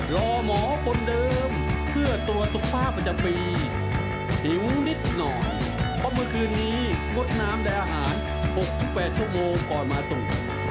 รอหมอคนเดิมเพื่อตรวจสุขภาพประจำปีหิวนิดหน่อยเพราะเมื่อคืนนี้งดน้ำได้อาหาร๖๘ชั่วโมงก่อนมาตรวจ